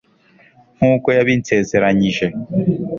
nk'uko yabinsezeranyije